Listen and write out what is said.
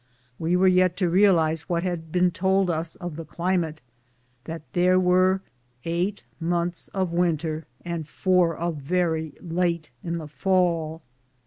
We were yet to realize what had been told us of the climate — that there were " eight months of win ter and four of very late in the fall."